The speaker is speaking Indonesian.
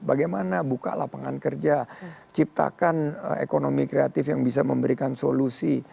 bagaimana buka lapangan kerja ciptakan ekonomi kreatif yang bisa memberikan solusi